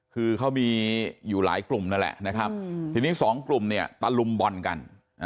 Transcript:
คือเขามีอยู่หลายกลุ่มนั่นแหละนะครับทีนี้สองกลุ่มเนี่ยตะลุมบอลกัน